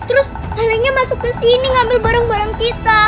terus malingnya masuk ke sini ngambil barang barang kita